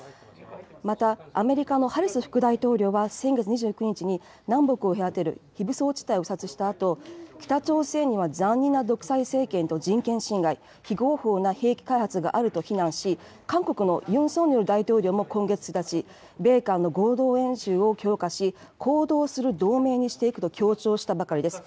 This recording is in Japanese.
またアメリカのハリス副大統領は、先月２９日に、南北を隔てる非武装地帯を視察したあと、北朝鮮は残忍な独裁政権と人権侵害、非合法な兵器開発があると非難し、韓国のユン・ソンニョル大統領も、今月１日、米韓の合同演習を強化し、行動する同盟にしていくと強調したばかりです。